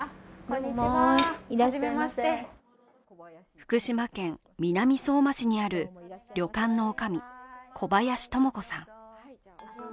福島県南相馬市にある旅館のおかみ、小林友子さん。